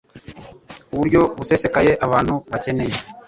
ku buryo busesekaye. Abantu bakeneye